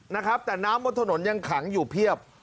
นะครับแต่น้ำบนถนนยังขังอยู่เพียบ